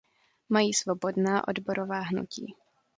Mají svobodná odborová hnutí.